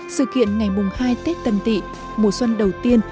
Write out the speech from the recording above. sự kiện ngày mùng hai tết tân tị mùa xuân đầu tiên